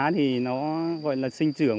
thì nó gọi là sinh trường